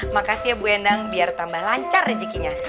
makasih ya bu endang biar tambah lancar rezekinya